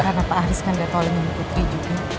karena pak haris kan udah tolongin putri juga